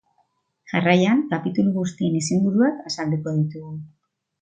Jarraian, kapitulu guztien izenburuak azalduko ditugu.